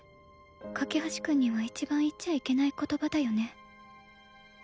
架橋君には一番言っちゃいけない言葉だよね